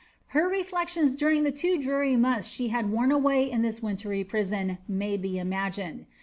Her reflections darioi the two dreary months she had worn away in her wintry prison may be imagined.